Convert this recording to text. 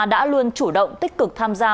đã luôn chủ động tích cực tham gia